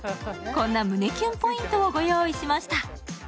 こんな胸キュンポイントを御用意しました。